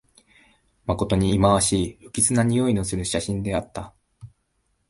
まことにいまわしい、不吉なにおいのする写真であった